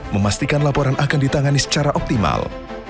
memastikan laporan akan ditangani secara optimal